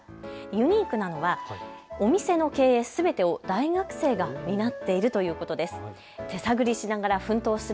ユニークなのはお店の経営すべてを大学生が担っているということです。